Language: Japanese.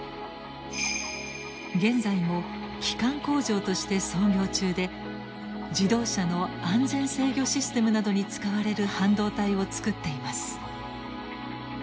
現在も基幹工場として操業中で自動車の安全制御システムなどに使われる半導体を作っています。